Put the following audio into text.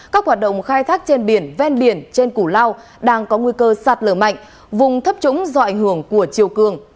các hoạt động khai thác trên biển ven biển trên củ lao đang có nguy cơ sạt lở mạnh vùng thấp trũng do ảnh hưởng của chiều cường